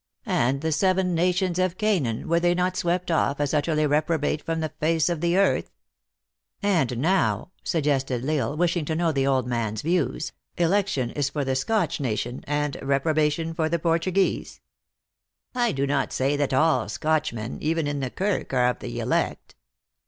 And the seven nations of Canaan, were they not swept off as utterly repro bate from the face of the earth ?"" And now," suggested L Isle, wishing to know the old man s views, " election is for the Scotch nation, and reprobation for the Portuguese ?"" I do not say that all Scotchmen, even in the Kirk, are of the elect."